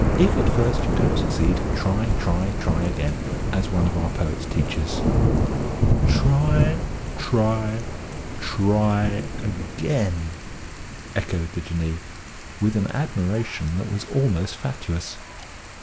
'If at first you don't succeed, try, try, try, again!' as one of our own poets teaches." "'Try, try, try again,'" echoed the Jinnee, with an admiration that was almost fatuous.